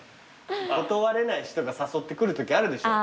断れない人が誘ってくるときあるでしょ。